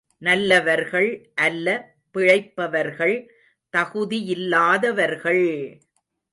நல்லவர்கள் அல்ல பிழைப்பவர்கள் தகுதியில்லாதவர்கள்!